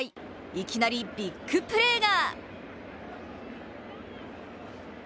いきなりビッグプレーが！